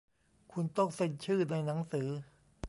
คุณต้องเซ็นชื่อในหนังสือ